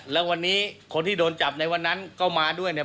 แล้ววันนี้คนที่โดนจับในวันนั้นก็มาด้วยเนี่ย